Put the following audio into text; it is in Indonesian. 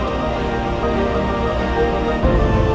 saya semua believer